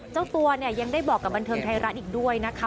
เจ้าตัวเนี่ยยังได้บอกกับบันเทิงไทยรัฐอีกด้วยนะคะ